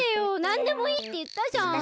なんでもいいっていったじゃん！